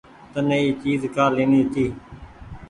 تني اي چيز ڪآ ليڻي هيتي۔